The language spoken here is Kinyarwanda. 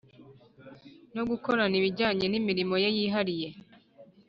no gukora ibijyanye n imirimo ye yihariye